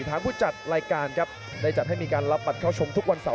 ทางผู้จัดรายการครับได้จัดให้มีการรับบัตรเข้าชมทุกวันเสาร์